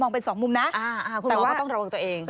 คุณหมอต้องระวังตัวเอง